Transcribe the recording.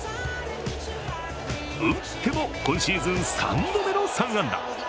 打っても今シーズン３度目の３安打。